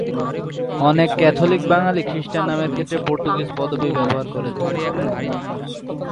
অনেক ক্যাথলিক বাঙালি খ্রিস্টান নামের ক্ষেত্রে পর্তুগিজ পদবি ব্যবহার করে থাকেন।